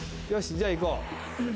じゃあいこう。